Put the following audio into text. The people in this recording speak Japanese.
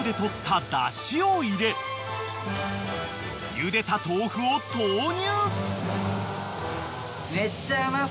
［ゆでた豆腐を投入］